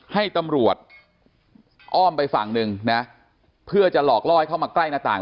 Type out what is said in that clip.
ให้ตำรวจอ้อมไปฝั่งหนึ่งนะเพื่อจะหลอกล่อให้เข้ามาใกล้หน้าต่าง